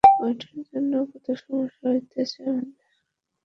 ওইটার জন্য কত সমস্যা, হইতাছে আমাদের।